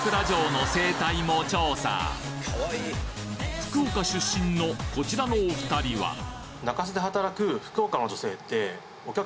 福岡出身のこちらのお２人はえ！？